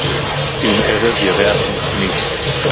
עִם עֶרֶב יָרֵחַ מַחֲמִיא